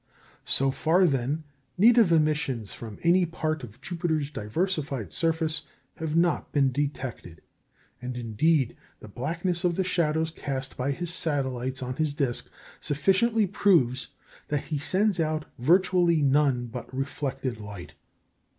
So far, then, native emissions from any part of Jupiter's diversified surface have not been detected; and, indeed, the blackness of the shadows cast by his satellites on his disc sufficiently proves that he sends out virtually none but reflected light.